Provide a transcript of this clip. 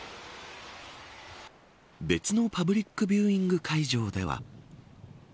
別のパブリックビューイング会場では。